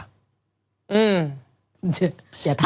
อย่าท้าอย่าท้า